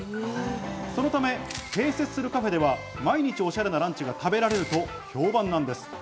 そのため、併設するカフェでは毎日おしゃれなランチが食べられると評判なんです。